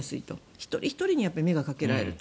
一人ひとりに目がかけられると。